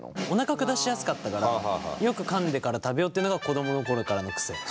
おなか下しやすかったからよくかんでから食べようっていうのが子供の頃からの癖。